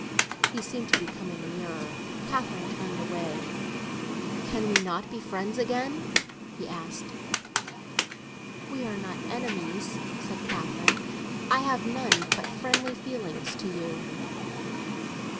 He seemed to be coming nearer; Catherine turned away. "Can we not be friends again?" he said. "We are not enemies," said Catherine. "I have none but friendly feelings to you."